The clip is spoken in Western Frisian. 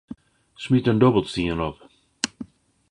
Smyt in dobbelstien op.